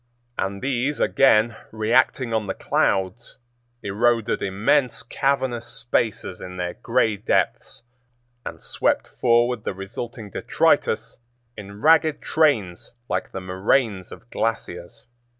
And these again, reacting on the clouds, eroded immense cavernous spaces in their gray depths and swept forward the resulting detritus in ragged trains like the moraines of glaciers.